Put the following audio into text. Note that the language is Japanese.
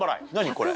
これ。